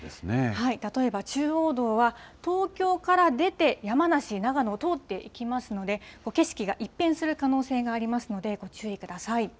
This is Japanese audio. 例えば中央道は、東京から出て山梨、長野を通っていきますので、景色が一変する可能性がありますので、ご注意ください。